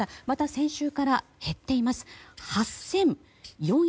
また先週から減っています。